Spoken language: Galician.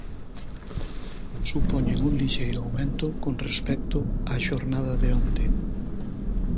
Supoñen un lixeiro aumento con respecto a xornada de onte.